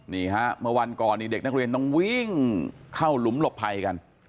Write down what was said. นี่ฮะเมื่อวันก่อนนี่เด็กนักเรียนต้องวิ่งเข้าหลุมหลบภัยกัน